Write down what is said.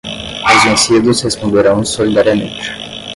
os vencidos responderão solidariamente